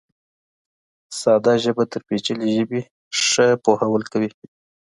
ساده ژبه تر پېچلې ژبې ښه پوهول کوي.